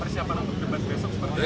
persiapan untuk debat besok seperti apa